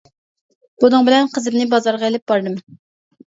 بۇنىڭ بىلەن قىزىمنى بازارغا ئېلىپ باردىم.